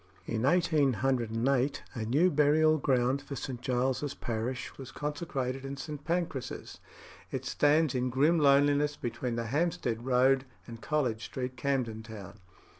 In 1808 a new burial ground for St. Giles's parish was consecrated in St. Pancras's. It stands in grim loneliness between the Hampstead Road and College Street, Camden Town.